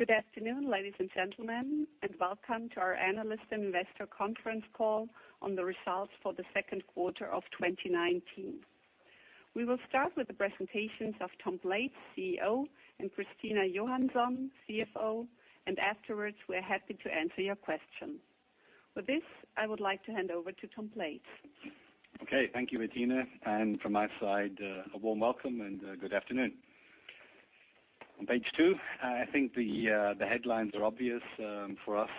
Good afternoon, ladies and gentlemen, welcome to our analyst and investor conference call on the results for the second quarter of 2019. We will start with the presentations of Tom Blades, CEO, and Christina Johansson, CFO. Afterwards, we're happy to answer your questions. For this, I would like to hand over to Tom Blades. Okay. Thank you, Bettina. From my side, a warm welcome and good afternoon. On page two, I think the headlines are obvious for us.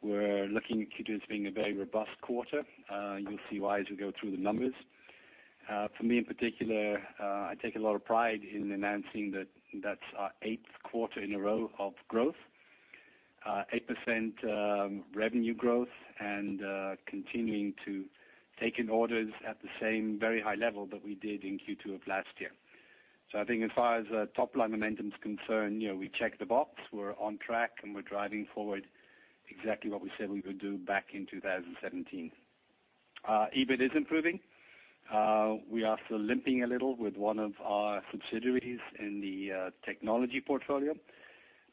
We're looking at Q2 as being a very robust quarter. You'll see why as we go through the numbers. For me, in particular, I take a lot of pride in announcing that's our eighth quarter in a row of growth, 8% revenue growth and continuing to take in orders at the same very high level that we did in Q2 of last year. I think as far as top-line momentum is concerned, we check the box, we're on track, and we're driving forward exactly what we said we would do back in 2017. EBIT is improving. We are still limping a little with one of our subsidiaries in the technology portfolio.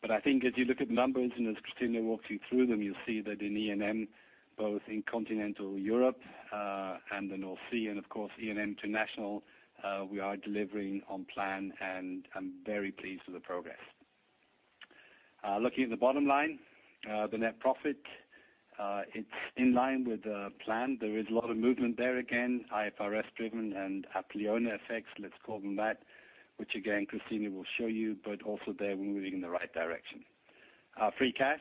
I think as you look at the numbers, and as Christina walks you through them, you'll see that in E&M, both in Continental Europe, and the North Sea, and of course, E&M International, we are delivering on plan, and I'm very pleased with the progress. Looking at the bottom line, the net profit, it's in line with the plan. There is a lot of movement there again, IFRS driven and Apleona effects, let's call them that, which again, Christina will show you, but also there we're moving in the right direction. Free cash,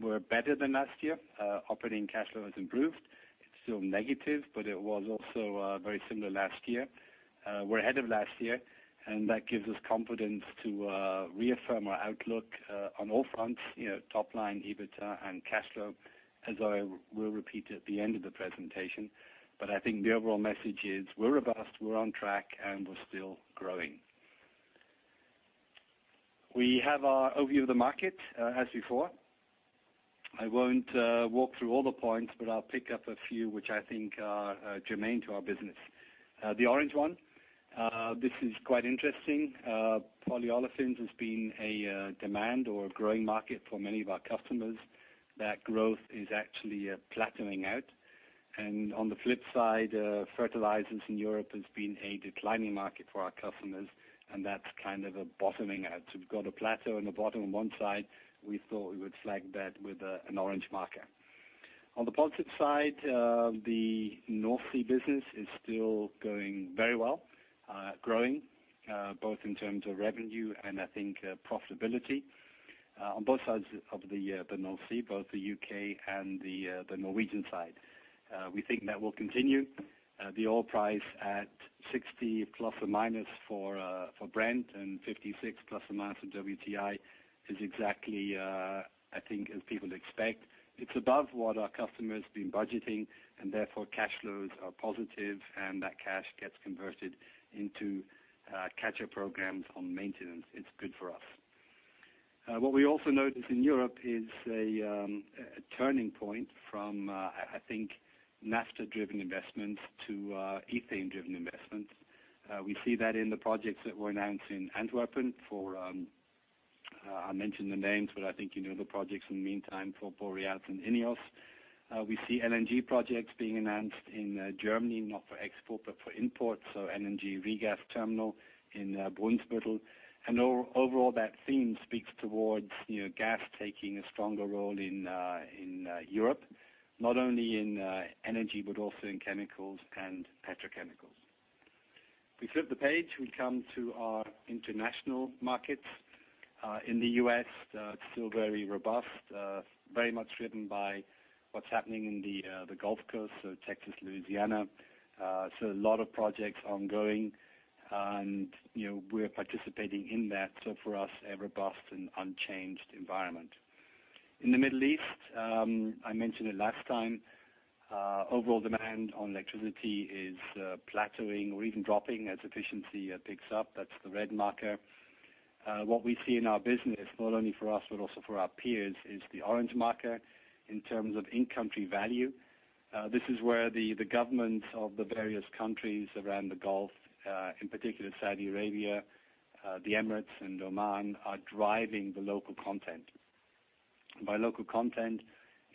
we're better than last year. Operating cash flow has improved. It's still negative, but it was also very similar last year. We're ahead of last year, and that gives us confidence to reaffirm our outlook on all fronts, top line, EBITA, and cash flow, as I will repeat at the end of the presentation. I think the overall message is we're robust, we're on track, and we're still growing. We have our overview of the market as before. I won't walk through all the points, but I'll pick up a few which I think are germane to our business. The orange one, this is quite interesting. Polyolefins has been a demand or a growing market for many of our customers. That growth is actually plateauing out. On the flip side, fertilizers in Europe has been a declining market for our customers, and that's kind of bottoming out. We've got a plateau and a bottom on one side, we thought we would flag that with an orange marker. On the positive side, the North Sea business is still going very well, growing both in terms of revenue and I think profitability on both sides of the North Sea, both the U.K. and the Norwegian side. The oil price at ±60 for Brent and ±56 for WTI is exactly I think as people expect. It's above what our customers have been budgeting, and therefore cash flows are positive, and that cash gets converted into catch-up programs on maintenance. It's good for us. What we also notice in Europe is a turning point from, I think, naphtha-driven investments to ethane-driven investments. We see that in the projects that were announced in Antwerp and I'll mention the names, but I think you know the projects in the meantime for Borealis and Ineos. We see LNG projects being announced in Germany, not for export but for import, so LNG regas terminal in Brunsbüttel. Overall, that theme speaks towards gas taking a stronger role in Europe, not only in energy but also in chemicals and petrochemicals. We flip the page, we come to our international markets. In the U.S., it's still very robust, very much driven by what's happening in the Gulf Coast, so Texas, Louisiana. A lot of projects ongoing and we're participating in that. For us, a robust and unchanged environment. In the Middle East, I mentioned it last time, overall demand on electricity is plateauing or even dropping as efficiency picks up. That's the red marker. What we see in our business, not only for us but also for our peers, is the orange marker in terms of in-country value. This is where the government of the various countries around the Gulf, in particular Saudi Arabia, the Emirates, and Oman, are driving the local content. By local content,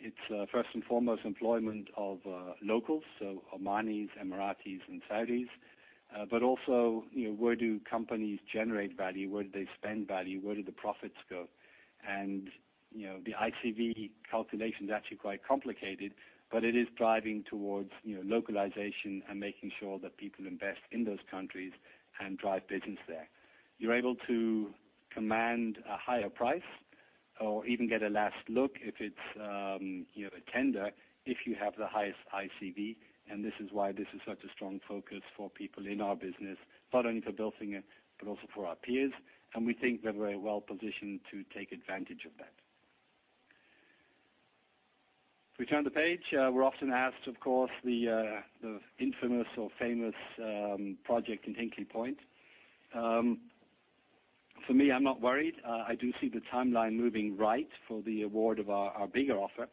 it's first and foremost employment of locals, so Omanis, Emiratis, and Saudis, but also where do companies generate value? Where do they spend value? Where do the profits go? The ICV calculation is actually quite complicated, but it is driving towards localization and making sure that people invest in those countries and drive business there. You're able to command a higher price or even get a last look if it's a tender, if you have the highest ICV, and this is why this is such a strong focus for people in our business, not only for Bilfinger but also for our peers, and we think we're very well-positioned to take advantage of that. If we turn the page, we're often asked, of course, the infamous or famous project in Hinkley Point. For me, I'm not worried. I do see the timeline moving right for the award of our bigger offer.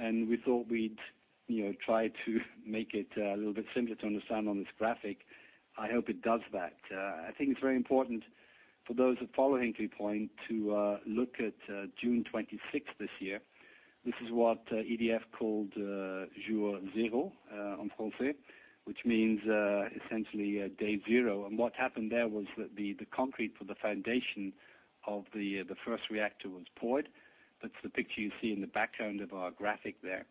We thought we'd try to make it a little bit simpler to understand on this graphic. I hope it does that. I think it's very important for those following Hinkley Point to look at June 26th this year. This is what EDF called Jour J in French, which means essentially Day Zero. What happened there was that the concrete for the foundation of the first reactor was poured. That's the picture you see in the background of our graphic there.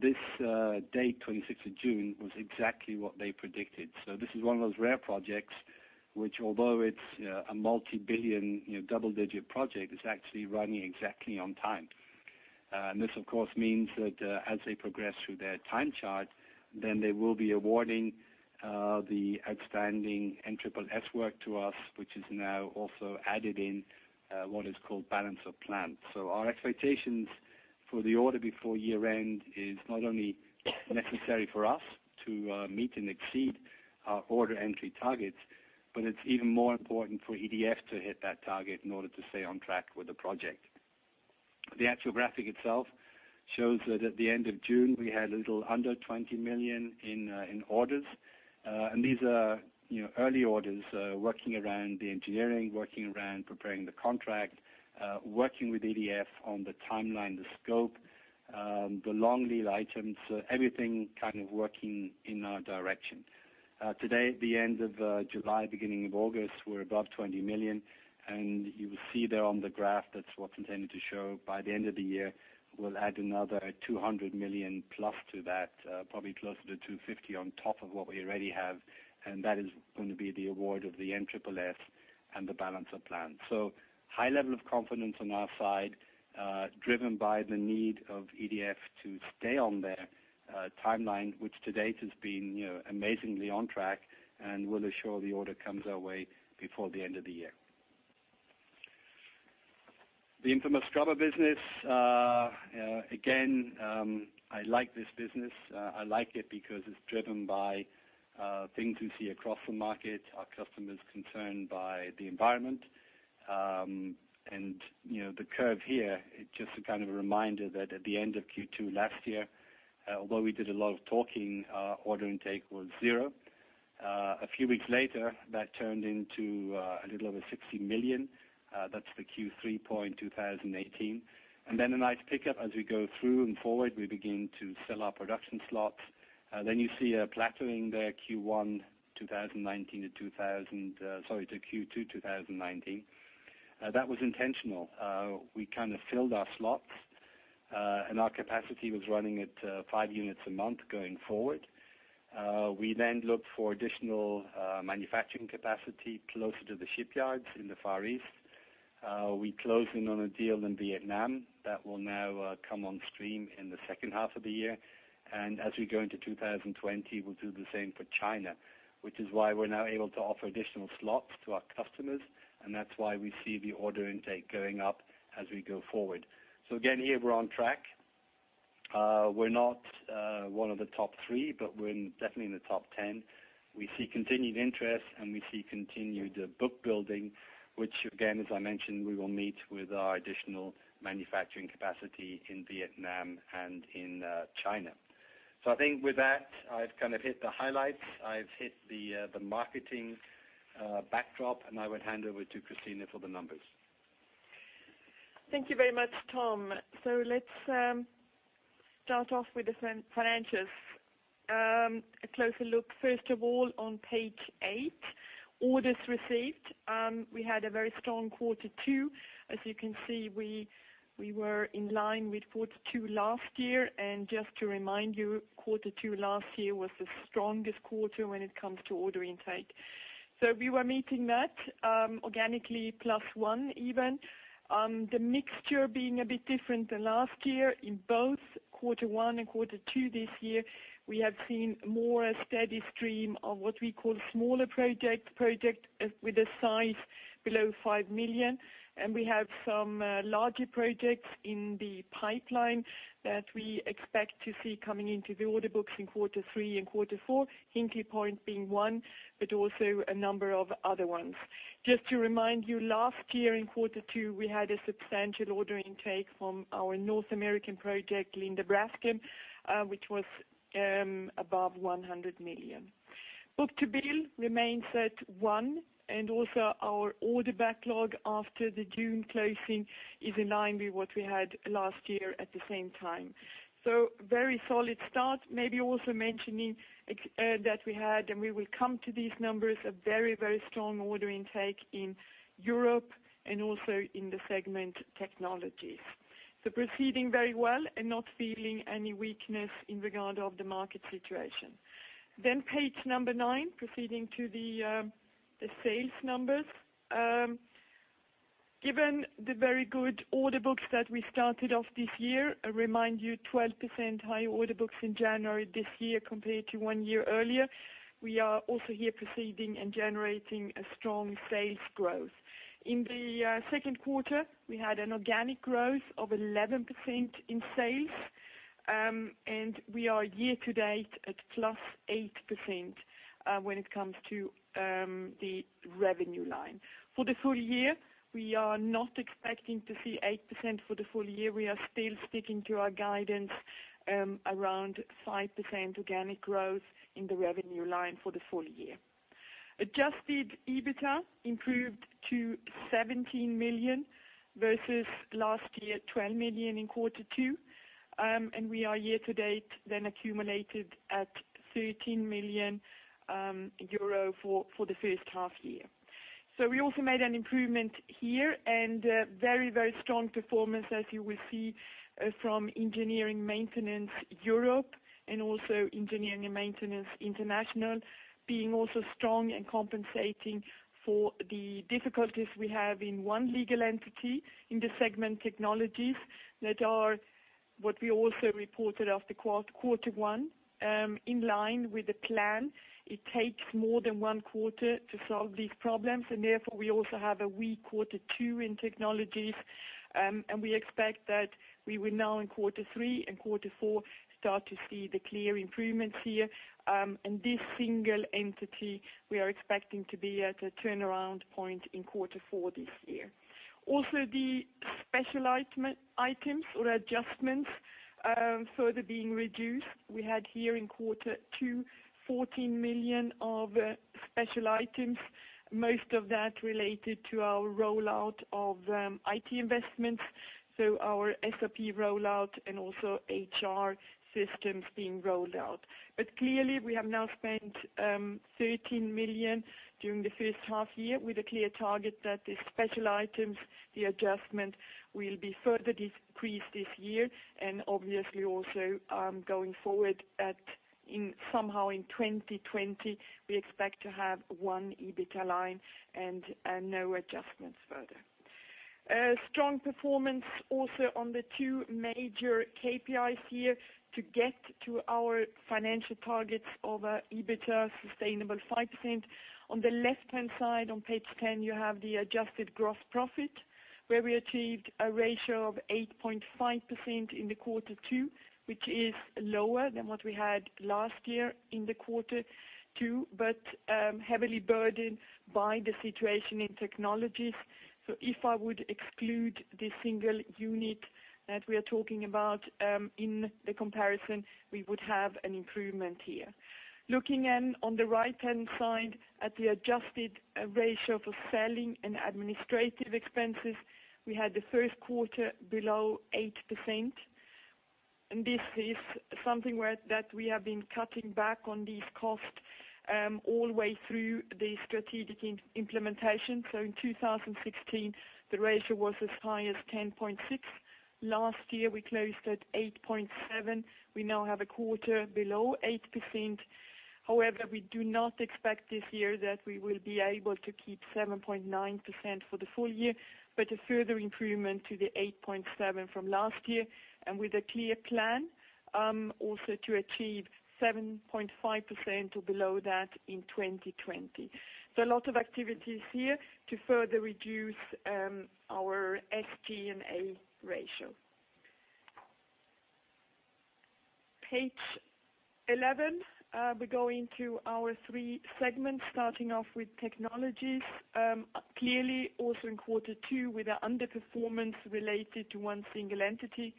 This date, 26th of June, was exactly what they predicted. This is one of those rare projects, which although it's a multi-billion, double-digit project, is actually running exactly on time. This, of course, means that as they progress through their time chart, they will be awarding the outstanding NSSS work to us, which is now also added in what is called balance of plant. Our expectations for the order before year-end is not only necessary for us to meet and exceed our order entry targets, but it's even more important for EDF to hit that target in order to stay on track with the project. The actual graphic itself shows that at the end of June, we had a little under 20 million in orders. These are early orders working around the engineering, working around preparing the contract, working with EDF on the timeline, the scope, the long lead items, everything kind of working in our direction. Today, the end of July, beginning of August, we're above 20 million. You will see there on the graph that's what's intended to show. By the end of the year, we'll add another 200 million plus to that, probably closer to 250 million on top of what we already have. That is going to be the award of the NSSS and the balance of plant. High level of confidence on our side, driven by the need of EDF to stay on their timeline, which to date has been amazingly on track and will ensure the order comes our way before the end of the year. The infamous scrubber business, again, I like this business. I like it because it's driven by things we see across the market. Our customers are concerned by the environment. The curve here, it's just a kind of a reminder that at the end of Q2 last year, although we did a lot of talking, order intake was zero. A few weeks later, that turned into a little over 60 million. That's the Q3 point 2018. A nice pickup as we go through and forward. We begin to sell our production slots. You see a plateauing there, Q1 2019 to Q2 2019. That was intentional. We kind of filled our slots. Our capacity was running at 5 units a month going forward. We then looked for additional manufacturing capacity closer to the shipyards in the Far East. We closed in on a deal in Vietnam that will now come on stream in the second half of the year. As we go into 2020, we will do the same for China, which is why we are now able to offer additional slots to our customers, and that is why we see the order intake going up as we go forward. Again, here, we are on track. We are not one of the top three, but we are definitely in the top 10. We see continued interest, and we see continued book building, which again, as I mentioned, we will meet with our additional manufacturing capacity in Vietnam and in China. I think with that, I have kind of hit the highlights. I have hit the marketing backdrop, and I would hand over to Christina for the numbers. Thank you very much, Tom. Let's start off with the financials. A closer look, first of all, on page eight, orders received. We had a very strong quarter two. As you can see, we were in line with quarter two last year. Just to remind you, quarter two last year was the strongest quarter when it comes to order intake. We were meeting that organically +1 even. The mixture being a bit different than last year in both quarter one and quarter two this year, we have seen more a steady stream of what we call smaller project with a size below 5 million. We have some larger projects in the pipeline that we expect to see coming into the order books in quarter three and quarter four, Hinkley Point being one, but also a number of other ones. Just to remind you, last year in quarter two, we had a substantial order intake from our North American project, LyondellBasell, which was above 100 million. Book-to-bill remains at one, and also our order backlog after the June closing is in line with what we had last year at the same time. Very solid start. Maybe also mentioning that we had, and we will come to these numbers, a very, very strong order intake in Europe and also in the segment technologies. Proceeding very well and not feeling any weakness in regard of the market situation. Page number nine, proceeding to the sales numbers. Given the very good order books that we started off this year, I remind you, 12% higher order books in January this year compared to one year earlier. We are also here proceeding and generating a strong sales growth. In the second quarter, we had an organic growth of 11% in sales. We are year-to-date at +8% when it comes to the revenue line. For the full year, we are not expecting to see 8% for the full year. We are still sticking to our guidance around 5% organic growth in the revenue line for the full year. Adjusted EBITDA improved to 17 million versus last year, 12 million in quarter two. We are year-to-date then accumulated at 13 million euro for the first half year. We also made an improvement here and very strong performance, as you will see, from Engineering & Maintenance Europe and also Engineering & Maintenance International, being also strong and compensating for the difficulties we have in one legal entity in the segment technologies that are what we also reported after quarter one, in line with the plan. It takes more than one quarter to solve these problems and therefore, we also have a weak quarter two in technologies. We expect that we will now in quarter three and quarter four start to see the clear improvements here. This single entity, we are expecting to be at a turnaround point in quarter four this year. The special items or adjustments further being reduced. We had here in quarter two, 14 million of special items, most of that related to our rollout of IT investments, so our SAP rollout and also HR systems being rolled out. Clearly, we have now spent 13 million during the first half year with a clear target that the special items, the adjustment, will be further decreased this year. Obviously also, going forward somehow in 2020, we expect to have one EBITDA line and no adjustments further. Strong performance also on the two major KPIs here to get to our financial targets of EBITDA sustainable 5%. On the left-hand side on page 10, you have the adjusted gross profit where we achieved a ratio of 8.5% in the quarter two, which is lower than what we had last year in the quarter two, but heavily burdened by the situation in technologies. If I would exclude the single unit that we are talking about in the comparison, we would have an improvement here. Looking on the right-hand side at the adjusted ratio for selling and administrative expenses, we had the first quarter below 8%, this is something where that we have been cutting back on these costs all the way through the strategic implementation. In 2016, the ratio was as high as 10.6. Last year, we closed at 8.7. We now have a quarter below 8%. However, we do not expect this year that we will be able to keep 7.9% for the full year, but a further improvement to the 8.7% from last year and with a clear plan, also to achieve 7.5% or below that in 2020. A lot of activities here to further reduce our SG&A ratio. Page 11, we go into our three segments, starting off with technologies. Clearly, also in quarter two with our underperformance related to one single entity.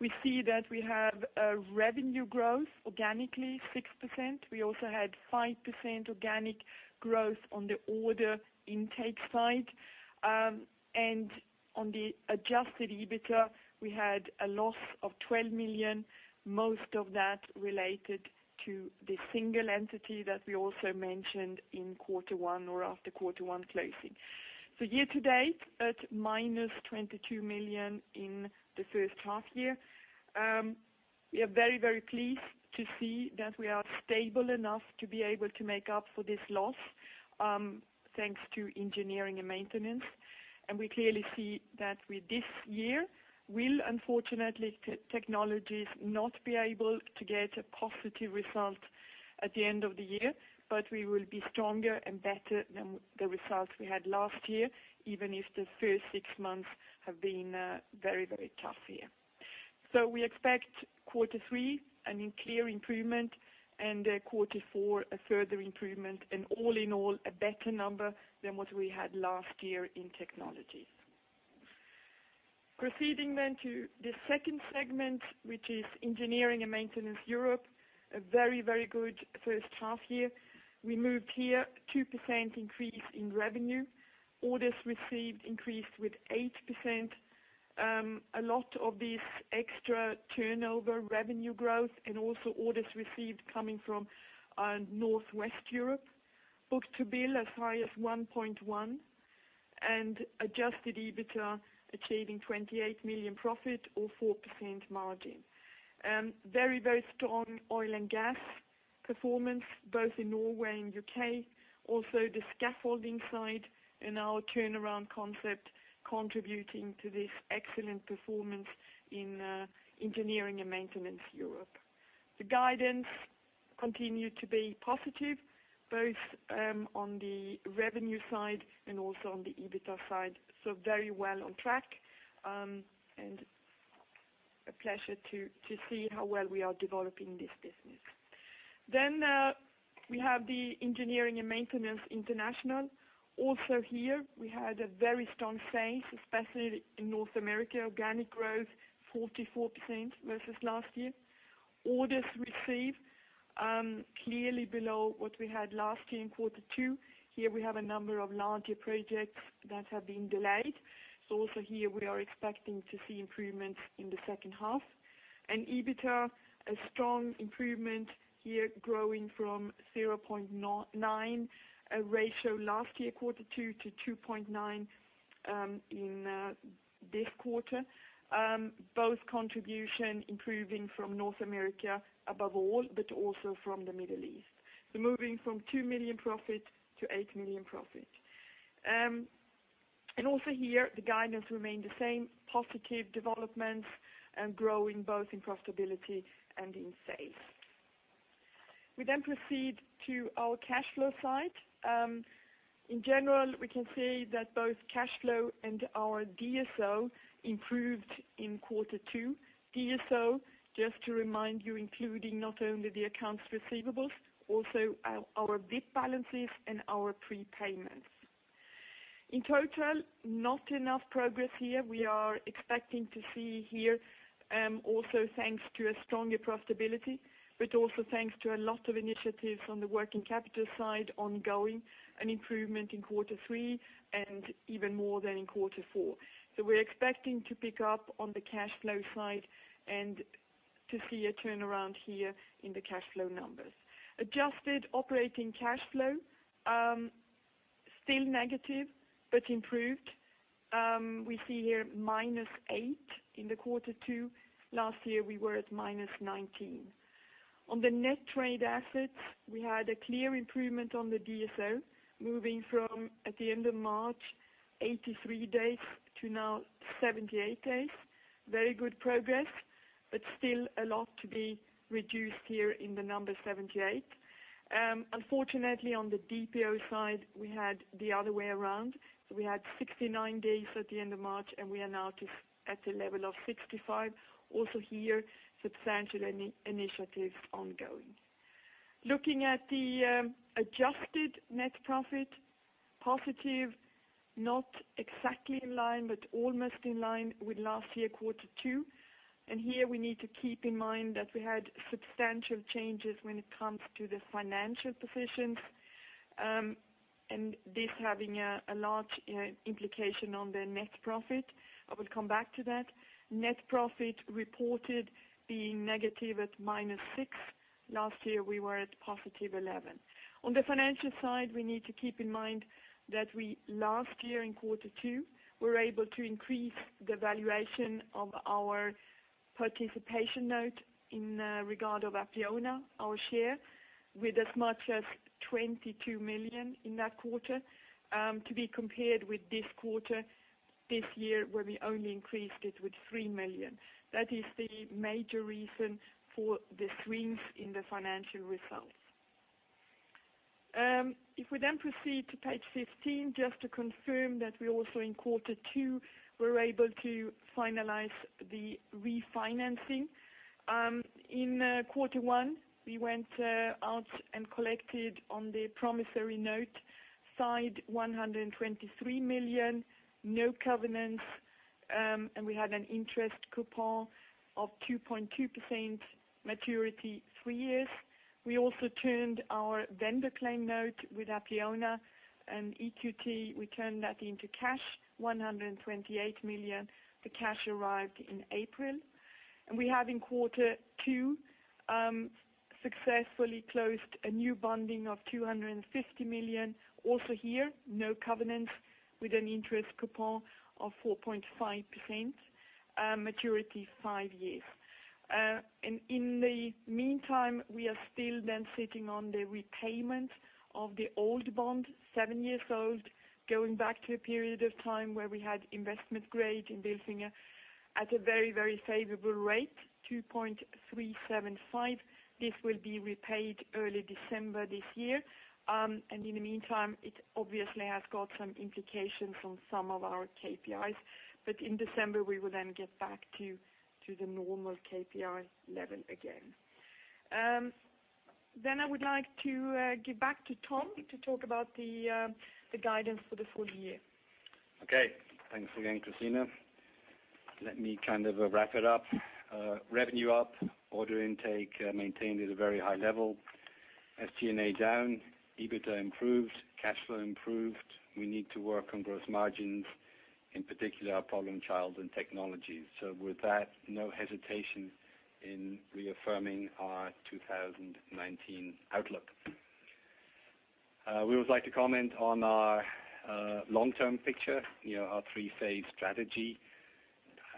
We see that we have a revenue growth organically 6%. We also had 5% organic growth on the order intake side. On the adjusted EBITDA, we had a loss of 12 million, most of that related to the single entity that we also mentioned in quarter one or after quarter one closing. Year to date at minus 22 million in the first half year. We are very pleased to see that we are stable enough to be able to make up for this loss, thanks to Engineering & Maintenance. We clearly see that with this year will, unfortunately, Technologies not be able to get a positive result at the end of the year, but we will be stronger and better than the results we had last year, even if the first six months have been very tough here. We expect quarter 3 a clear improvement, and quarter 4 a further improvement, and all in all, a better number than what we had last year in Technologies. Proceeding to the second segment, which is Engineering & Maintenance Europe, a very good first half year. We moved here 2% increase in revenue. Orders received increased with 8%. A lot of this extra turnover revenue growth and also orders received coming from Northwest Europe. book-to-bill as high as 1.1 and adjusted EBITDA achieving 28 million profit or 4% margin. Very strong oil and gas performance both in Norway and U.K. The scaffolding side and our turnaround concept contributing to this excellent performance in Engineering & Maintenance Europe. The guidance continued to be positive, both on the revenue side and also on the EBITDA side. Very well on track, and a pleasure to see how well we are developing this business. We have the Engineering & Maintenance International. We had a very strong sales, especially in North America, organic growth 44% versus last year. Orders received clearly below what we had last year in quarter two. Here we have a number of larger projects that have been delayed. Also here we are expecting to see improvements in the second half. EBITDA, a strong improvement here growing from 0.9 ratio last year, quarter 2 to 2.9 in this quarter. Both contribution improving from North America above all, but also from the Middle East. Moving from 2 million profit to 8 million profit. Also here, the guidance remained the same, positive developments and growing both in profitability and in sales. We proceed to our cash flow side. In general, we can say that both cash flow and our DSO improved in quarter 2. DSO, just to remind you, including not only the accounts receivables, also our WIP balances and our prepayments. In total, not enough progress here. We are expecting to see here, also thanks to a stronger profitability, but also thanks to a lot of initiatives on the working capital side ongoing, an improvement in quarter three and even more than in quarter four. We're expecting to pick up on the cash flow side and to see a turnaround here in the cash flow numbers. Adjusted operating cash flow, still negative but improved. We see here minus eight in the quarter two. Last year we were at minus 19. On the net trade assets, we had a clear improvement on the DSO, moving from, at the end of March, 83 days to now 78 days. Very good progress, still a lot to be reduced here in the number 78. Unfortunately, on the DPO side, we had the other way around. We had 69 days at the end of March, and we are now at the level of 65. Here, substantial initiatives ongoing. Looking at the adjusted net profit, positive, not exactly in line but almost in line with last year, quarter two. Here we need to keep in mind that we had substantial changes when it comes to the financial positions, and this having a large implication on the net profit. I will come back to that. Net profit reported being negative at -6. Last year we were at +11. On the financial side, we need to keep in mind that we, last year in quarter two, were able to increase the valuation of our participation note in regard of Apleona, our share, with as much as 22 million in that quarter, to be compared with this quarter this year where we only increased it with 3 million. That is the major reason for the swings in the financial results. We then proceed to page 15, just to confirm that we also in quarter two, were able to finalize the refinancing. In quarter one, we went out and collected on the promissory note side 123 million, no covenants, and we had an interest coupon of 2.2%, maturity, three years. We also turned our vendor claim note with Apleona and EQT. We turned that into cash, 128 million. The cash arrived in April. We have in quarter two successfully closed a new bonding of 250 million. Also here, no covenants with an interest coupon of 4.5%, maturity five years. In the meantime, we are still then sitting on the repayment of the old bond, seven years old, going back to a period of time where we had investment grade in Bilfinger at a very, very favorable rate, 2.375%. This will be repaid early December this year. In the meantime, it obviously has got some implications on some of our KPIs. In December, we will then get back to the normal KPI level again. I would like to give back to Tom to talk about the guidance for the full year. Okay. Thanks again, Christina. Let me kind of wrap it up. Revenue up, order intake maintained at a very high level. SG&A down, EBITDA improved, cash flow improved. We need to work on gross margins, in particular our problem child in technology. With that, no hesitation in reaffirming our 2019 outlook. We would like to comment on our long-term picture, our three-phase strategy.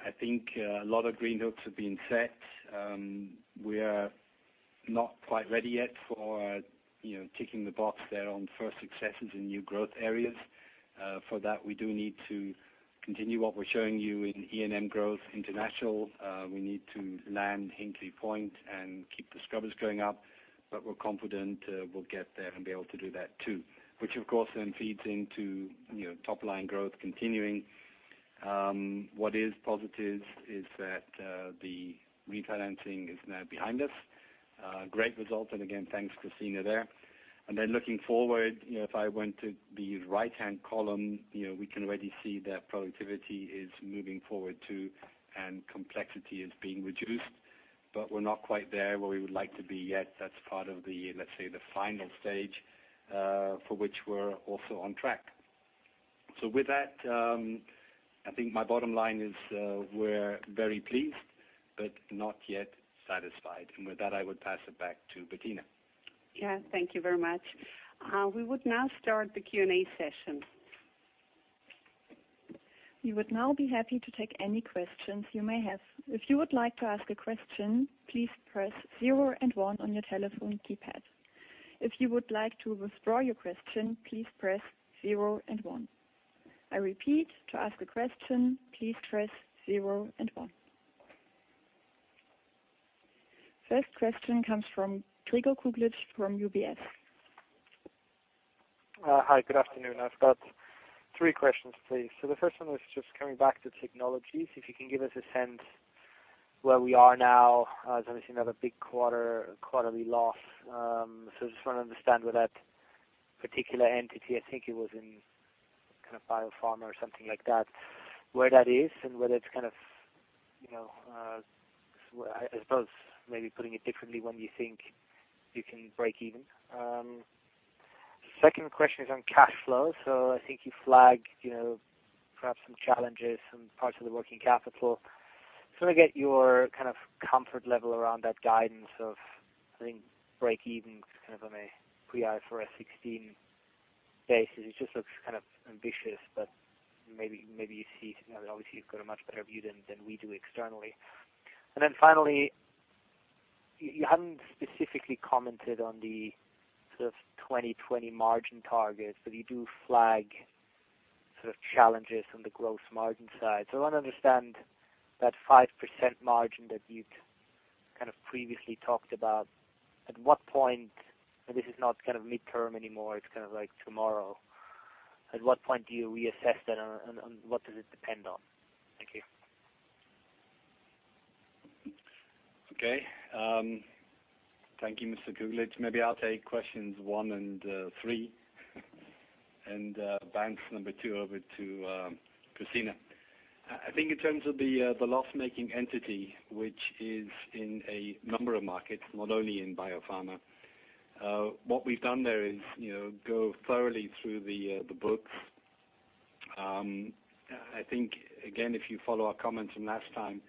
I think a lot of green hooks have been set. We are not quite ready yet for ticking the box there on first successes in new growth areas. For that, we do need to continue what we're showing you in E&M growth international. We need to land Hinkley Point and keep the scrubbers going up, but we're confident we'll get there and be able to do that too, which of course then feeds into top-line growth continuing. What is positive is that the refinancing is now behind us. Great result. Again, thanks, Christina there. Looking forward, if I went to the right-hand column, we can already see that productivity is moving forward too. Complexity is being reduced. We're not quite there where we would like to be yet. That's part of the, let's say, the final stage, for which we're also on track. With that, I think my bottom line is, we're very pleased but not yet satisfied. With that, I would pass it back to Bettina. Yeah, thank you very much. We would now start the Q&A session. We would now be happy to take any questions you may have. If you would like to ask a question, please press zero and one on your telephone keypad. If you would like to withdraw your question, please press zero and one. I repeat, to ask a question, please press zero and one. First question comes from Gregor Kuglitsch from UBS. Hi, good afternoon. I've got three questions, please. The first one was just coming back to technologies, if you can give us a sense where we are now. It's obviously another big quarterly loss. I just want to understand where that particular entity, I think it was in biopharma or something like that, where that is and when do you think you can break even? Second question is on cash flow. I think you flagged perhaps some challenges, some parts of the working capital. I just want to get your comfort level around that guidance of, I think, break-even on a pre-IFRS 16 basis. It just looks ambitious, but maybe you see, obviously, you've got a much better view than we do externally. Then finally, you haven't specifically commented on the sort of 2020 margin targets, but you do flag challenges on the gross margin side. I want to understand that 5% margin that you'd previously talked about. This is not mid-term anymore, it's like tomorrow. At what point do you reassess that, and what does it depend on? Thank you. Okay. Thank you, Mr. Kuglitsch. Maybe I'll take questions one and three, and bounce number 2 over to Christina. I think in terms of the loss-making entity, which is in a number of markets, not only in biopharma, what we've done there is go thoroughly through the books. I think, again, if you follow our comments from last time,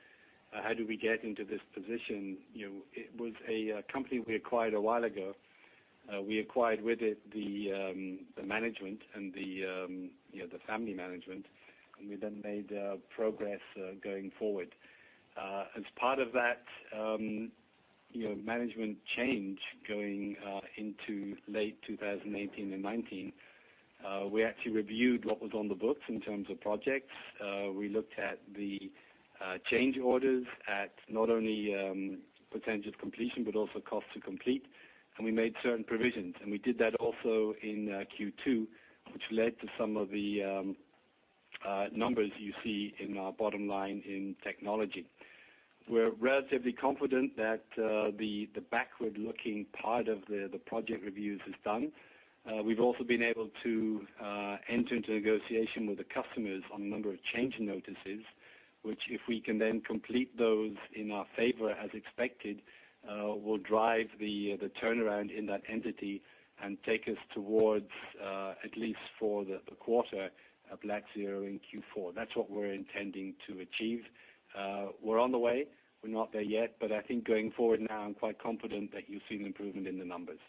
how did we get into this position? It was a company we acquired a while ago. We acquired with it the management and the family management, and we then made progress going forward. As part of that management change going into late 2018 and 2019, we actually reviewed what was on the books in terms of projects. We looked at the change orders at not only potential completion but also cost to complete, and we made certain provisions. We did that also in Q2, which led to some of the numbers you see in our bottom line in technology. We're relatively confident that the backward-looking part of the project reviews is done. We've also been able to enter into negotiation with the customers on a number of change notices, which if we can then complete those in our favor as expected, will drive the turnaround in that entity and take us towards, at least for the quarter, a black zero in Q4. That's what we're intending to achieve. We're on the way. We're not there yet. I think going forward now, I'm quite confident that you'll see an improvement in the numbers.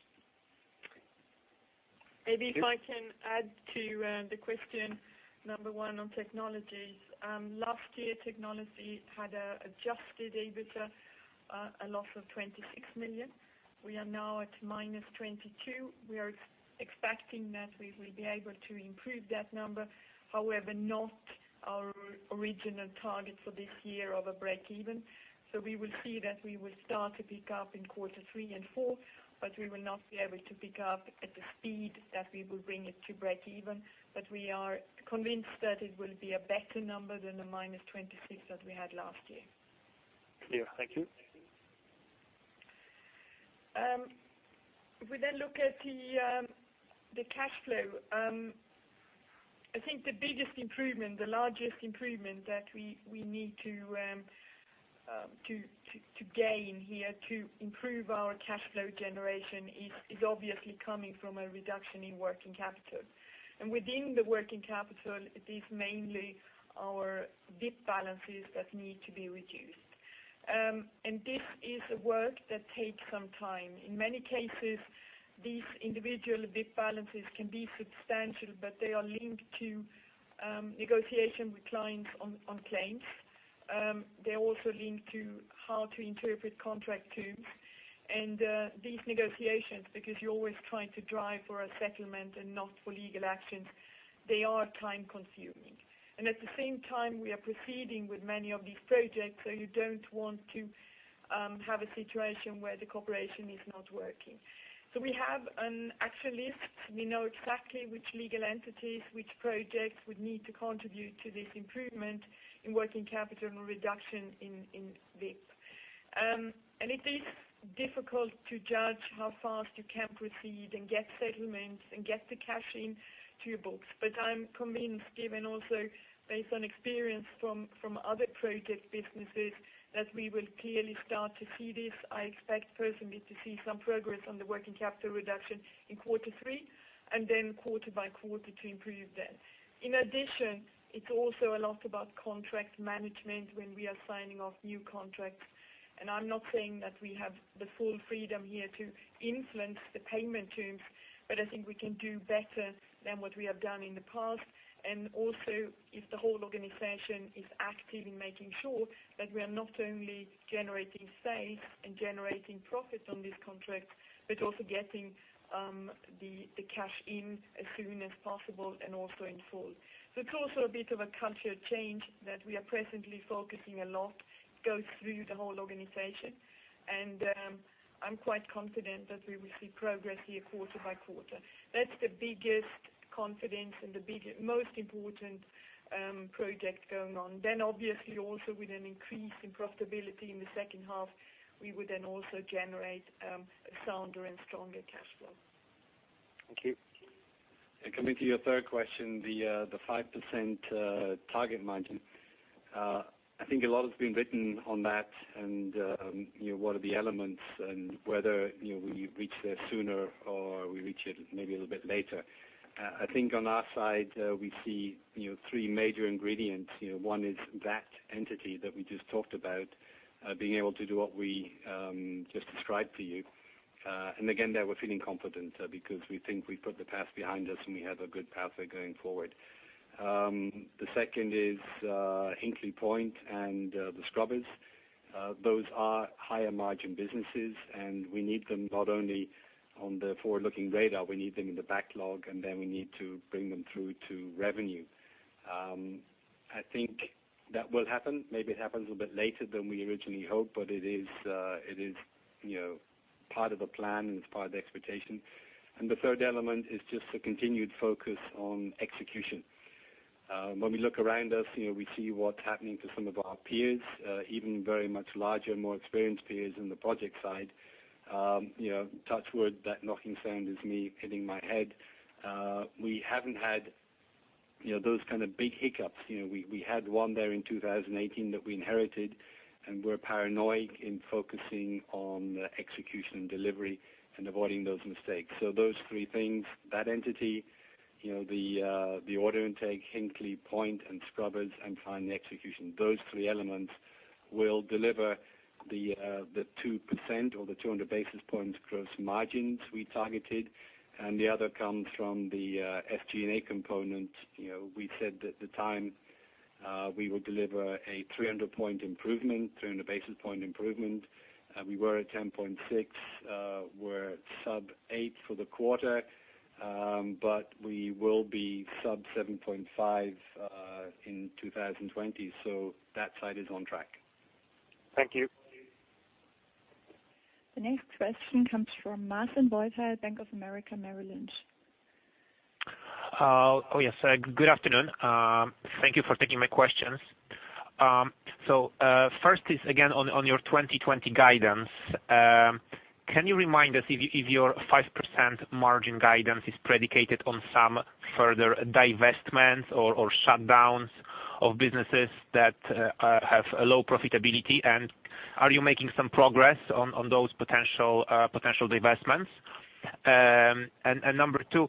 Maybe if I can add to the question number one on technologies. Last year, technology had adjusted EBITDA, a loss of 26 million. We are now at minus 22. We are expecting that we will be able to improve that number, however, not our original target for this year of a break even. We will see that we will start to pick up in quarter 3 and 4, but we will not be able to pick up at the speed that we will bring it to break even. We are convinced that it will be a better number than the minus 26 that we had last year. Clear. Thank you. If we look at the cash flow. I think the biggest improvement, the largest improvement that we need to gain here to improve our cash flow generation is obviously coming from a reduction in working capital. Within the working capital, it is mainly our WIP balances that need to be reduced. This is a work that takes some time. In many cases, these individual WIP balances can be substantial, they are linked to negotiation with clients on claims. They also link to how to interpret contract terms and these negotiations, because you're always trying to drive for a settlement and not for legal actions. They are time-consuming. At the same time, we are proceeding with many of these projects, you don't want to have a situation where the cooperation is not working. We have an action list. We know exactly which legal entities, which projects would need to contribute to this improvement in working capital and a reduction in WIP. It is difficult to judge how fast you can proceed and get settlements and get the cash into your books. I'm convinced, given also based on experience from other project businesses, that we will clearly start to see this. I expect personally to see some progress on the working capital reduction in quarter three, and then quarter by quarter to improve then. In addition, it's also a lot about contract management when we are signing off new contracts, and I'm not saying that we have the full freedom here to influence the payment terms, but I think we can do better than what we have done in the past. If the whole organization is active in making sure that we are not only generating sales and generating profit on these contracts, but also getting the cash in as soon as possible and also in full. It's also a bit of a culture change that we are presently focusing a lot, goes through the whole organization. I'm quite confident that we will see progress here quarter by quarter. That's the biggest confidence and the most important project going on. Obviously also with an increase in profitability in the second half, we would then also generate a sounder and stronger cash flow. Thank you. Coming to your third question, the 5% target margin. I think a lot has been written on that and what are the elements and whether we reach there sooner or we reach it maybe a little bit later. I think on our side, we see three major ingredients. One is that entity that we just talked about, being able to do what we just described to you. Again, there, we're feeling confident because we think we've put the past behind us and we have a good pathway going forward. The second is Hinkley Point and the scrubbers. Those are higher margin businesses, and we need them not only on the forward-looking radar, we need them in the backlog, and then we need to bring them through to revenue. I think that will happen. Maybe it happens a little bit later than we originally hoped, but it is part of a plan and it's part of the expectation. The third element is just a continued focus on execution. When we look around us, we see what's happening to some of our peers, even very much larger, more experienced peers in the project side. Touch wood, that knocking sound is me hitting my head. We haven't had those kind of big hiccups. We had one there in 2018 that we inherited, and we're paranoid in focusing on execution and delivery and avoiding those mistakes. Those three things, that entity, the order intake, Hinkley Point and scrubbers, and finally execution. Those three elements will deliver the 2% or the 200 basis points gross margins we targeted. The other comes from the SG&A component. We said at the time we will deliver a 300-point improvement, 300 basis point improvement. We were at 10.6. We are sub eight for the quarter. We will be sub 7.5 in 2020. That side is on track. Thank you. The next question comes from Marcin Wojtal at Bank of America Merrill Lynch. Oh, yes. Good afternoon. Thank you for taking my questions. First is, again, on your 2020 guidance. Can you remind us if your 5% margin guidance is predicated on some further divestments or shutdowns of businesses that have a low profitability? Are you making some progress on those potential divestments? Number two,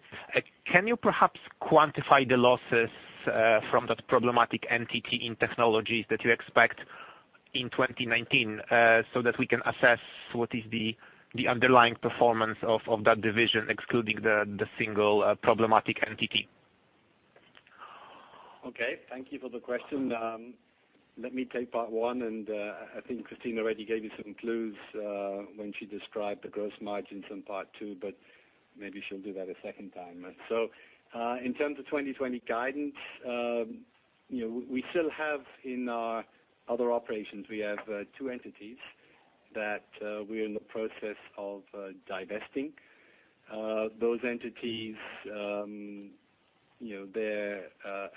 can you perhaps quantify the losses from that problematic entity in technologies that you expect in 2019 so that we can assess what is the underlying performance of that division, excluding the single problematic entity? Okay. Thank you for the question. Let me take part one. I think Christina already gave you some clues when she described the gross margins in part two. Maybe she'll do that a second time. In terms of 2020 guidance, we still have in our other operations, we have two entities that we're in the process of divesting. Those entities, they're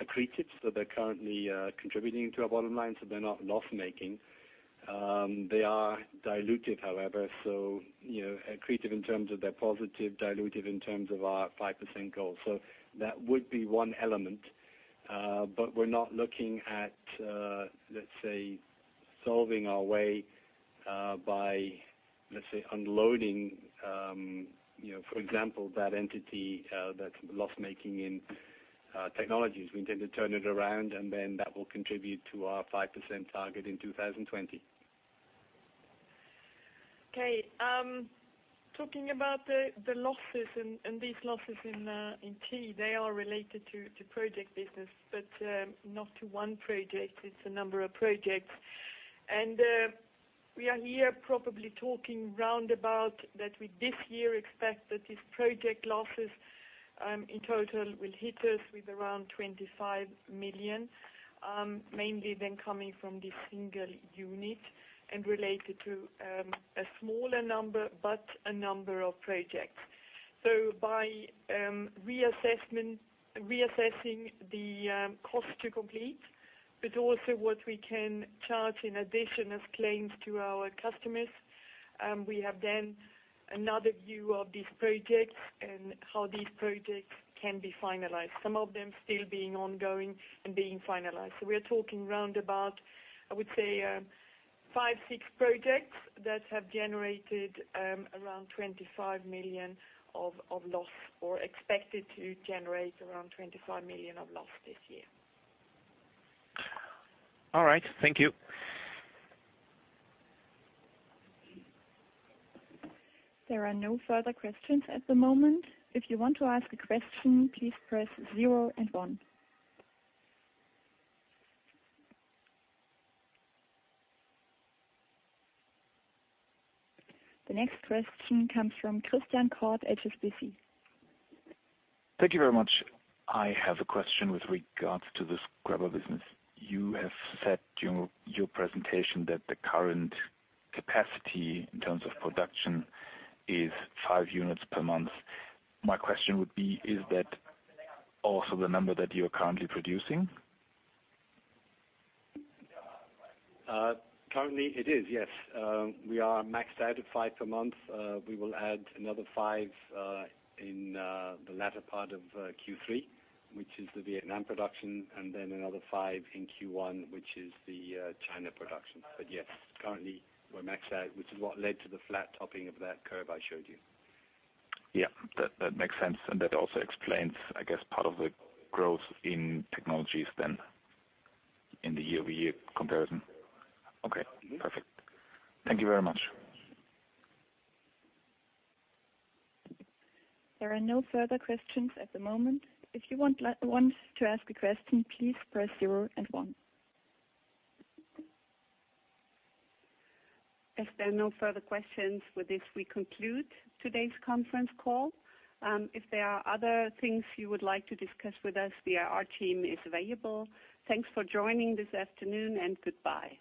accretive, so they're currently contributing to our bottom line, so they're not loss-making. They are dilutive, however, so accretive in terms of their positive, dilutive in terms of our 5% goal. That would be one element. We're not looking at, let's say, solving our way by, let's say, unloading for example, that entity that's loss-making in technologies. We intend to turn it around. That will contribute to our 5% target in 2020. Okay. Talking about the losses in E&M, they are related to project business, but not to one project. It's a number of projects. We are here probably talking roundabout that with this year, expect that this project losses, in total, will hit us with around 25 million, mainly then coming from this single unit and related to a smaller number, but a number of projects. By reassessing the cost to complete, but also what we can charge in addition as claims to our customers, we have then another view of these projects and how these projects can be finalized, some of them still being ongoing and being finalized. We are talking roundabout, I would say, five, six projects that have generated around 25 million of loss or expected to generate around 25 million of loss this year. All right. Thank you. There are no further questions at the moment. If you want to ask a question, please press zero and one. The next question comes from Christian Korth, HSBC. Thank you very much. I have a question with regards to the scrubber business. You have said during your presentation that the current capacity in terms of production is five units per month. My question would be, is that also the number that you're currently producing? Currently it is, yes. We are maxed out at five per month. We will add another five in the latter part of Q3, which is the Vietnam production, and then another five in Q1, which is the China production. Yes, currently we're maxed out, which is what led to the flat topping of that curve I showed you. Yeah, that makes sense. That also explains, I guess, part of the growth in technologies then in the year-over-year comparison. Okay, perfect. Thank you very much. There are no further questions at the moment. If you want to ask a question, please press zero and one. As there are no further questions, with this we conclude today's conference call. If there are other things you would like to discuss with us, the IR team is available. Thanks for joining this afternoon, and goodbye.